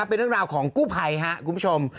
เป็นเรื่องราวของกู้ภัยครับคุณผู้ชม